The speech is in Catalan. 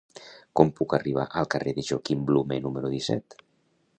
Com puc arribar al carrer de Joaquim Blume número disset?